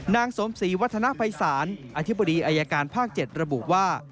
นางสมศรีวัฒนภัยศาลอธิบดีอายการภาค๗ระบุว่า